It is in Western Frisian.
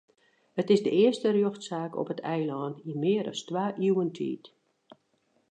It is de earste rjochtsaak op it eilân yn mear as twa iuwen tiid.